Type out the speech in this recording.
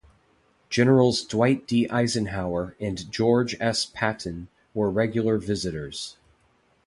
Generals Dwight D. Eisenhower and George S. Patton were regular visitors.